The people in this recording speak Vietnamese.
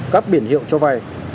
các biển hiệu cho vai